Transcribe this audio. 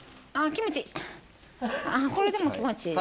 これでも気持ちいいな。